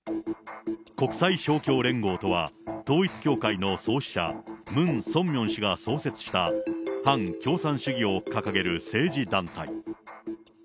国際勝共連合とは、統一教会の創始者、ムン・ソンミョン氏が創設した、反共産主義を掲げる政治団体。